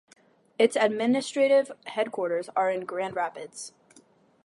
Its administrative headquarters are in Grand Rapids.